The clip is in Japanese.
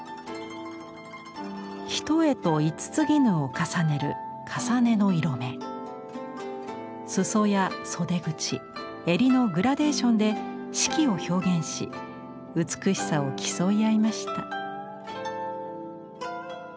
単と五衣を重ねる裾や袖口襟のグラデーションで四季を表現し美しさを競い合いました。